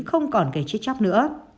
không còn gây chết chóc nữa